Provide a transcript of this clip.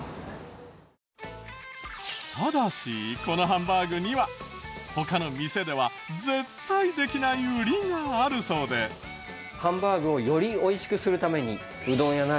ただしこのハンバーグには他の店では絶対できない売りがあるそうで。を結構使ってます。